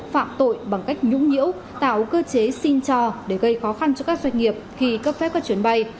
phạm tội bằng cách nhũng nhiễu tạo cơ chế xin cho để gây khó khăn cho các doanh nghiệp khi cấp phép các chuyến bay